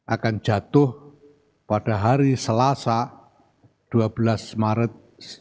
akan jatuh pada hari selasa dua belas maret dua ribu dua puluh empat